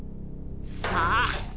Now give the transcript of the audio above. さあ